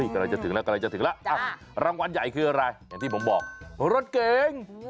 กำลังจะถึงแล้วรางวัลใหญ่คืออะไรอย่างที่ผมบอกรถเก่ง